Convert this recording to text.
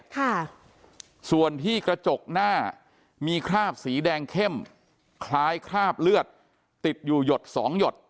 ค่ะส่วนที่กระจกหน้ามีคราบสีแดงเข้มคล้ายคราบเลือดติดอยู่หยดสองหยด